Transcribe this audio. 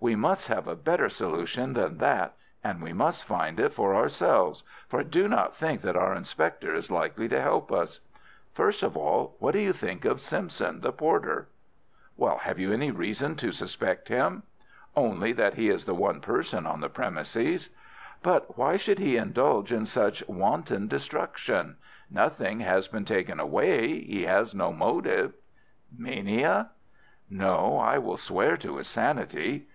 We must have a better solution than that, and we must find it for ourselves, for I do not think that our inspector is likely to help us. First of all, what do you think of Simpson, the porter?" "Have you any reason to suspect him?" "Only that he is the one person on the premises." "But why should he indulge in such wanton destruction? Nothing has been taken away. He has no motive." "Mania?" "No, I will swear to his sanity."